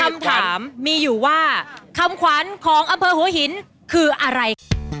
คำถามมีอยู่ว่าคำขวัญของอำเภอหัวหินคืออะไร